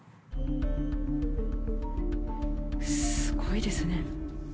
すごいですね。